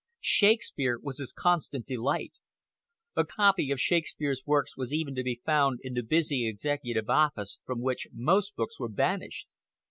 Shakespere was his constant delight. A copy of Shakespere's works was even to be found in the busy Executive Office, from which most books were banished.